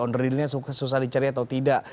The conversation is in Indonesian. on realnya susah dicari atau tidak